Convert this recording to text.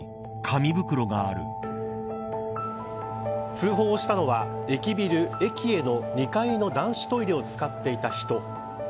通報したのは駅ビルｅｋｉｅの２階の男子トイレを使っていた人。